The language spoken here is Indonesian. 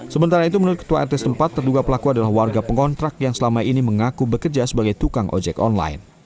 sementara itu menurut ketua rt sempat terduga pelaku adalah warga pengontrak yang selama ini mengaku bekerja sebagai tukang ojek online